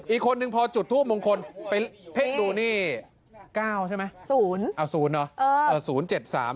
อีกคนนึงพอจุดทูปมงคลไปเพ่งดูนี่๙ใช่ไหม